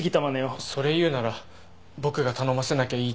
それ言うなら僕が「頼ませなきゃいい」って。